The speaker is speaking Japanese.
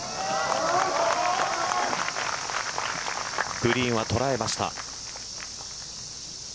グリーンは捉えました。